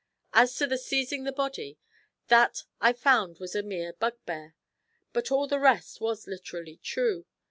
As to the seizing the body, that I found was a mere bugbear; but all the rest was literally true.